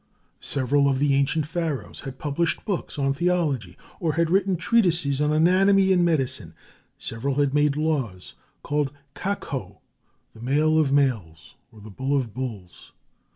Several of the ancient Pharaohs had published books on theology, or had written treatises on anatomy and medicine; several had made laws called Kakôû, the male of males, or the bull of bulls.